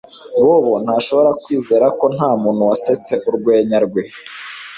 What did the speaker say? Bobo ntashobora kwizera ko ntamuntu wasetse urwenya rwe